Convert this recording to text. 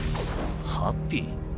ハッピー？